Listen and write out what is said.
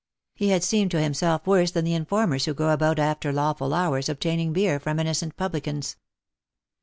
He had seemed to himself worse than the informers who go about after lawful hours obtaining beer from innocent publicans.